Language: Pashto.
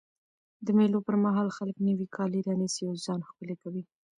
د مېلو پر مهال خلک نوی کالي رانيسي او ځان ښکلی کوي.